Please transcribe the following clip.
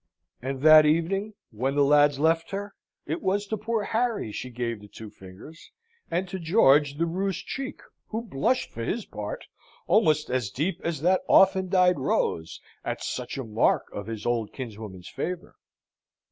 And that evening, when the lads left her, it was to poor Harry she gave the two fingers, and to George the rouged cheek, who blushed, for his part, almost as deep as that often dyed rose, at such a mark of his old kinswoman's favour.